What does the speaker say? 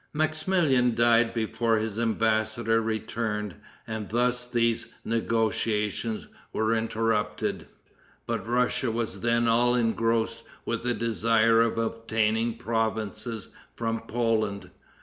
Maximilian died before his embassador returned, and thus these negotiations were interrupted. But Russia was then all engrossed with the desire of obtaining provinces from Poland.